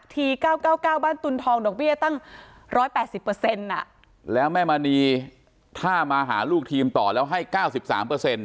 ทีเก้าเก้าเก้าบ้านตุนทองดอกเบี้ยตั้งร้อยแปดสิบเปอร์เซ็นต์อ่ะแล้วแม่มณีถ้ามาหาลูกทีมต่อแล้วให้เก้าสิบสามเปอร์เซ็นต์